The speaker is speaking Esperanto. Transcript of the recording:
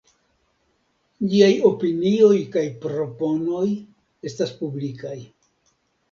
Ĝiaj opinioj kaj proponoj estas publikaj.